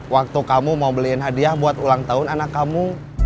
waktu kamu mau beliin hadiah buat ulang tahun anak kamu